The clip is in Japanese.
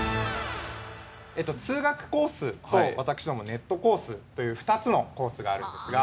通学コースと私どもネットコースという２つのコースがあるんですが。